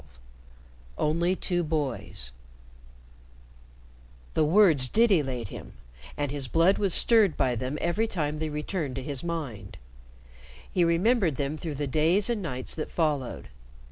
XII "ONLY TWO BOYS" The words did elate him, and his blood was stirred by them every time they returned to his mind. He remembered them through the days and nights that followed.